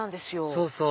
そうそう！